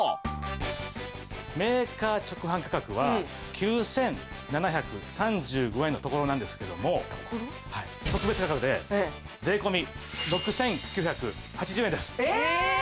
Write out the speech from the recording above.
メーカー直販価格は９７３５円のところなんですけども特別価格で税込６９８０円です。え！